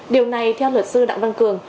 điều này theo luật sư đặng văn cường